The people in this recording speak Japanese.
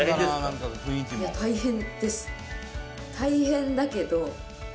大変ですか？